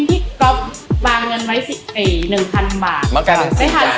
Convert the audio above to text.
ครีมที่ผ้ากุ้งวางเงินไว้๑๐๐๐บาท